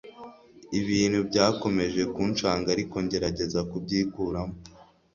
ibintu byakomeje kunshaga ariko ngerageza kubyikuramo